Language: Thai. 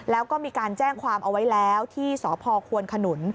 แล้วก็มีการแจ้งความเอาไว้แล้วที่สพควนขนุน